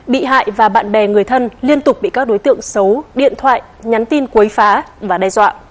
bị hại và bạn bè người thân liên tục bị các đối tượng xấu điện thoại nhắn tin quấy phá và đe dọa